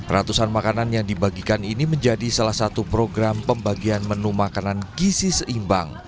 ratusan makanan yang dibagikan ini menjadi salah satu program pembagian menu makanan gisi seimbang